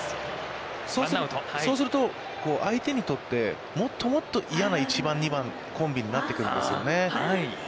そうすると相手にとってもっともっと嫌な１番２番コンビになってくるんですよね。